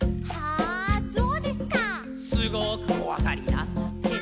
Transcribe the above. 「すごくこわがりなんだって」